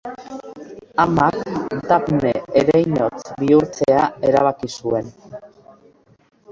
Amak Dafne ereinotz bihurtzea erabaki zuen.